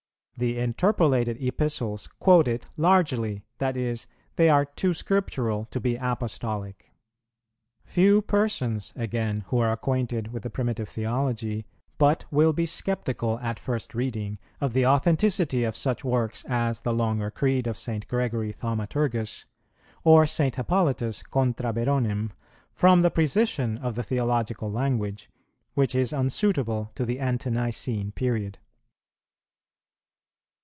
The interpolated Epistles quote it largely; that is, they are too Scriptural to be Apostolic. Few persons, again, who are acquainted with the primitive theology, but will be sceptical at first reading of the authenticity of such works as the longer Creed of St. Gregory Thaumaturgus, or St. Hippolytus contra Beronem, from the precision of the theological language, which is unsuitable to the Ante nicene period.